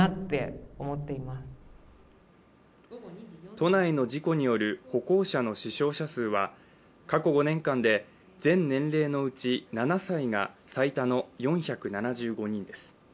都内の事故による歩行者の死傷者数は過去５年間で全年齢のうち７歳が最多の４７５人です。